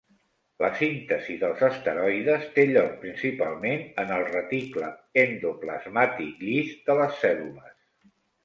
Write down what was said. La síntesi dels esteroides té lloc principalment en el reticle endoplasmàtic llis de les cèl·lules.